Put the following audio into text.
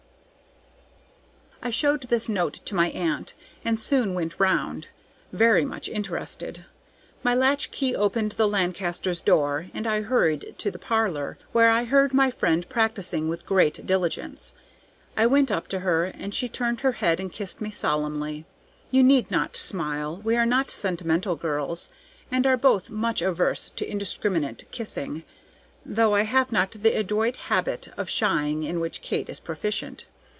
I showed this note to my aunt, and soon went round, very much interested. My latch key opened the Lancasters' door, and I hurried to the parlor, where I heard my friend practising with great diligence. I went up to her, and she turned her head and kissed me solemnly. You need not smile; we are not sentimental girls, and are both much averse to indiscriminate kissing, though I have not the adroit habit of shying in which Kate is proficient.